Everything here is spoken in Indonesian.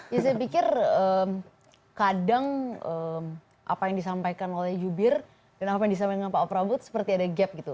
ya saya pikir kadang apa yang disampaikan oleh jubir dan apa yang disampaikan pak oprabut seperti ada gap gitu